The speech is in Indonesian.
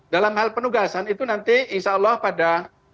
dalam hal penugasan itu nanti insya allah pada